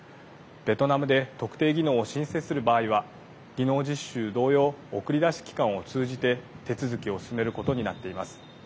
ベトナムで特定技能を申請する場合は技能実習同様送り出し機関を通じて手続きを進めることになっています。